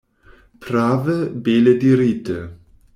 Prave, bele dirite!